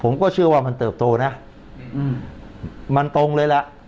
ผมก็เชื่อว่ามันเติบโตนะอืมมันตรงเลยล่ะ